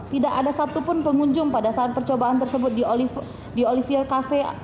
tidak ada satupun pengunjung pada saat percobaan tersebut di olivier cafe